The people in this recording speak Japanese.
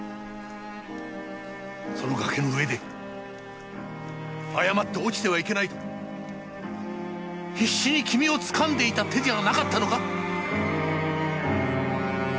その崖の上で誤って落ちてはいけないと必死に君を掴んでいた手じゃなかったのか？